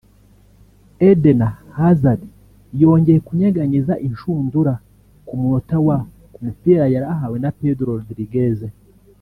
Edena Hazard yongeye kunyeganyeza ishundura ku munota wa ' ku mupira yari ahawe na Pedro Rodriguez